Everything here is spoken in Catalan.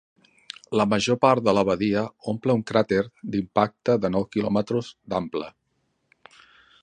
La major par de la badia omple un cràter d'impacte de nou kilòmetres d'ample.